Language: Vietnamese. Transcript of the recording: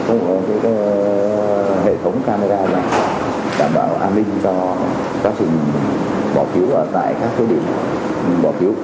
cũng như công tác hệ thống camera đảm bảo an ninh cho các hình bỏ phiếu tại các địa điểm bỏ phiếu